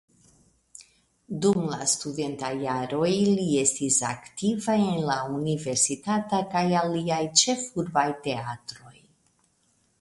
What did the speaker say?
Dum la studentaj jaroj li estis aktiva en la universitata kaj aliaj ĉefurbaj teatroj.